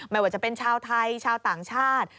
ไม่ว่าจะเป็นชาวไทยชาวต่างชาติ